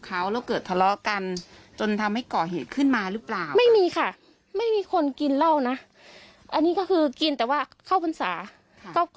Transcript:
มาซื้อเหล้าที่ร้านค้าในซอยแถวนั้นนะครับ